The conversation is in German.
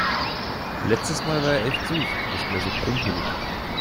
Letztes Mal war er echt süß. Nicht mehr so krumpelig.